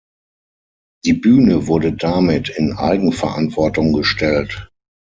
Die Bühne wurde damit in Eigenverantwortung gestellt.